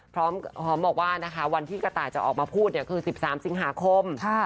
พร้อมบอกว่านะคะวันที่กระต่ายจะออกมาพูดคือ๑๓สิงหาคม